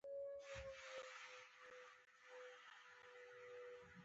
د نجونو تعلیم د فکر ازادي تضمینوي.